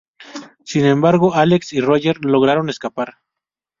Sin embargo, Alex y Roger lograron escapar.